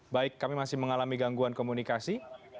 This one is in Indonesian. baik kami masih mengalami gangguan komunikasi